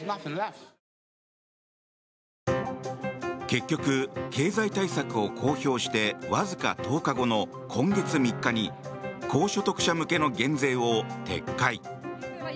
結局、経済対策を公表してわずか１０日後の今月３日に高所得者向けの減税を撤回。